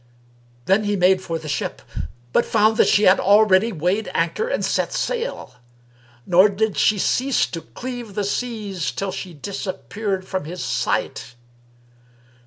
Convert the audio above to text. Then he made for the ship but found that she had already weighed anchor and set sail; nor did she cease to cleave the seas till she disappeared from his sight.